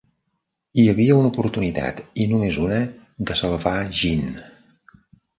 Hi havia una oportunitat, i només una, de salvar Jeanne.